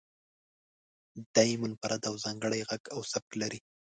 دی منفرد او ځانګړی غږ او سبک لري.